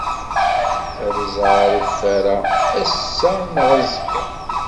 Ad iẓer ufur-a ass-a neɣ azekka.